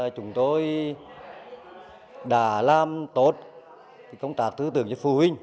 chúng tôi đã làm tốt công tác tư tưởng cho phụ huynh